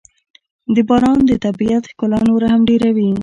• باران د طبیعت ښکلا نوره هم ډېروي.